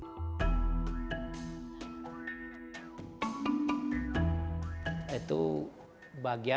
dan kembali ke tempat yang terbaik